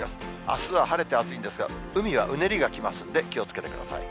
あすは晴れて暑いんですが、海はうねりがきますんで、気をつけてください。